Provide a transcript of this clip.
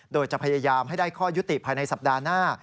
โดยจะพยายามให้ได้ข้อยุติภายในสัปดาห์หน้า